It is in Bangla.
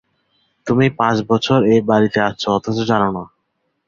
তুমি পাঁচ বছর এ বাড়িতে আছ, অথচ জান না।